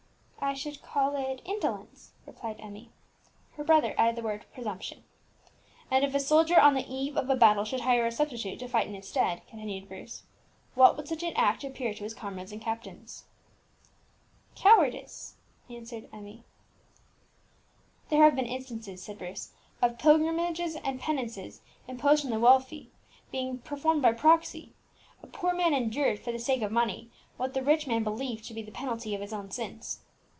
"I should call it indolence," replied Emmie. Her brother added the word "presumption." "And if a soldier on the eve of a battle should hire a substitute to fight in his stead," continued Bruce, "what would such an act appear to his comrades and captain?" "Cowardice," answered Emmie. "There have been instances," said Bruce, "of pilgrimages and penances, imposed on the wealthy, being performed by proxy! A poor man endured, for the sake of money, what the rich man believed to be the penalty of his own sins.